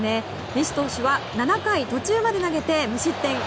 西投手は７回途中まで投げて無失点。